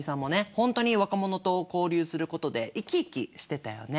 本当に若者と交流することで生き生きしてたよね。